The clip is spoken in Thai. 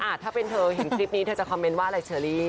ถ้าเป็นเธอเห็นคลิปนี้เธอจะคอมเมนต์ว่าอะไรเชอรี่